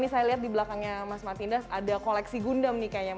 ini saya lihat di belakangnya mas martindas ada koleksi gundam nih kayaknya